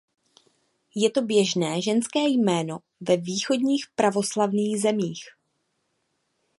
Je to běžné ženské jméno ve východních pravoslavných zemích.